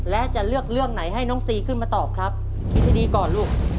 และจะเลือกเรื่องไหนให้น้องซีขึ้นมาตอบครับคิดให้ดีก่อนลูก